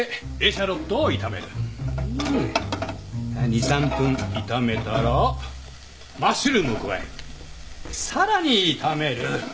２３分炒めたらマッシュルームを加えさらに炒める。